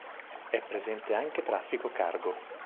È presente anche traffico cargo.